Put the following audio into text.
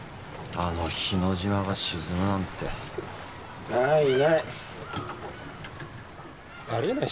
あの日之島が沈むなんてないないありえない